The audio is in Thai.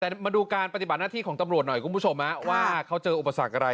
แต่มาดูการปฏิบัติหน้าที่ของตำรวจหน่อยคุณผู้ชมว่าเขาเจออุปสรรคอะไร